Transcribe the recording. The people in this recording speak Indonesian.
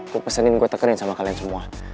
kupesenin gue tekanin sama kalian semua